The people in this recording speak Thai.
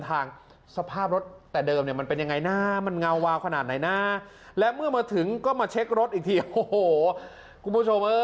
คุณผู้ชมอะไรทั้งประกอบนี้ครับ